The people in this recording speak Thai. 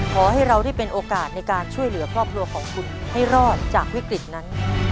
ขอให้เราได้เป็นโอกาสในการช่วยเหลือครอบครัวของคุณให้รอดจากวิกฤตนั้น